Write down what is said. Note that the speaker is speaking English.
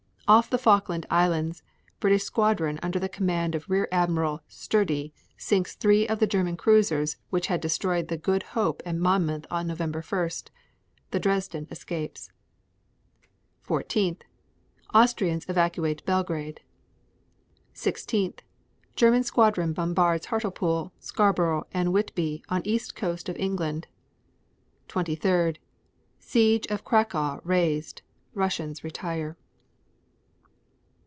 Off the Falkland Isles, British squadron under command of Rear Admiral Sturdee, sinks three of the German cruisers which had destroyed the Good Hope and Monmouth on Nov. 1. The Dresden escapes. 14. Austrians evacuate Belgrade. 16. German squadron bombards Hartlepool, Scarborough and Whitby on east coast of England. 23. Siege of Cracow raised. Russians retire.